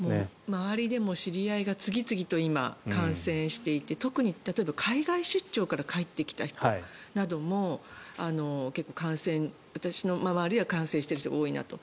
周りでも知り合いが次々と感染していて海外出張から帰ってきた人なども結構、私の周りは感染している人が多いなと。